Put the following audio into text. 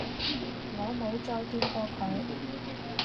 我冇再見過佢